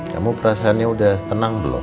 kamu perasaannya udah tenang belum